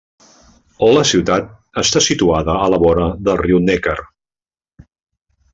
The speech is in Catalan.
La ciutat està situada a la vora del riu Neckar.